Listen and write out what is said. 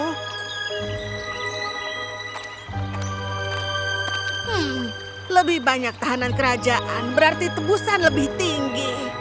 hmm lebih banyak tahanan kerajaan berarti tebusan lebih tinggi